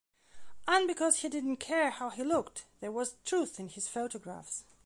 And because he didn't care how he looked, there was truth in his photographs.